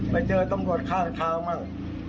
ไปเจอตำรวจข้างทางบ้าง